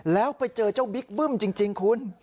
แล้วไปเจอเจ้าบิ๊กบึ้มจริงคุณ